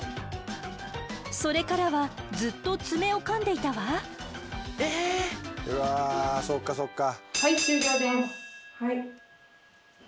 それからはずっと爪をかんでいたわ。え。うわそっかそっか。